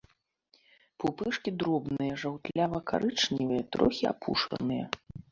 Пупышкі дробныя, жаўтлява-карычневыя, трохі апушаныя.